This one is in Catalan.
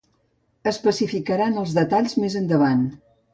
Especificaran els detalls més endavant.